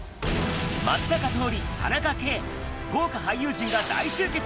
松坂桃李、田中圭、豪華俳優陣が大集結。